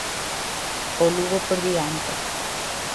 O Lugo por diante.